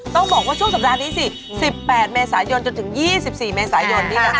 ต้องบอกว่าช่วงสัปดาห์นี้สิ๑๘เมษายนจนถึง๒๔เมษายน